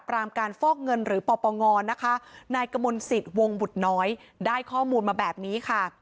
กรามการฟอกเงินหรือปงนายกมนตร์สิทธิ์วงบุตน้อยได้ข้อมูลมาแบบนี้ค่ะ